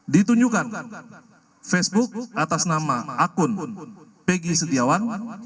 ditunjukkan facebook atas nama akun peggy setiawan